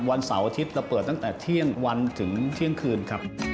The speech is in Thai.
วันเสาร์อาทิตย์เราเปิดตั้งแต่เที่ยงวันถึงเที่ยงคืนครับ